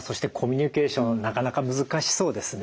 なかなか難しそうですね。